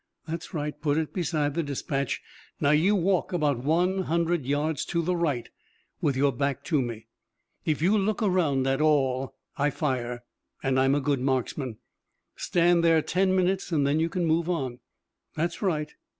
That's right; put it beside the dispatch. Now you walk about one hundred yards to the right with your back to me. If you look around at all I fire, and I'm a good marksman. Stand there ten minutes, and then you can move on! That's right!